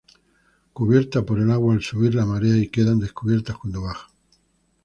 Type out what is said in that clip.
Cubiertas por el agua al subir la marea y quedan descubiertas cuando baja.